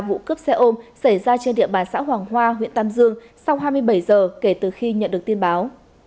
vụ cướp xe ôm xảy ra trên địa bàn xã hoàng hoa huyện tam dương sau hai mươi bảy giờ kể từ khi nhận được tin báo